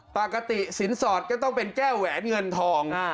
ปกติสินสอดก็ต้องเป็นแก้วแหวนเงินทอง